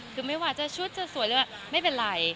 คือไม่ว่าจะชุดจะสวยหรือว่าไม่เป็นไร